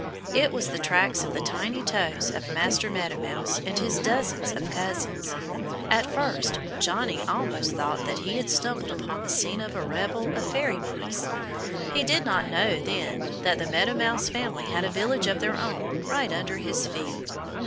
It was the tracks of the tiny toes of Master Meadow Mouse and his dozens of cousins. At first Johnnie almost thought that he had stumbled upon the scene of a revel of fairy mice. He did not know then that the Meadow Mouse family had a village of their own right under his feet.